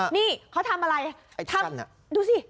นี่เขาทำอะไรทำดูสิ